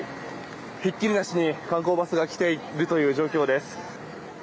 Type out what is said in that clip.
ひっきりなしに、観光バスが来ているという状況です。